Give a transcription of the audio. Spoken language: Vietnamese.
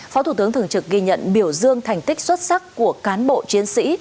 phó thủ tướng thường trực ghi nhận biểu dương thành tích xuất sắc của cán bộ chiến sĩ